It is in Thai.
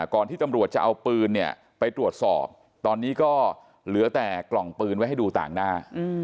ที่ตำรวจจะเอาปืนเนี่ยไปตรวจสอบตอนนี้ก็เหลือแต่กล่องปืนไว้ให้ดูต่างหน้า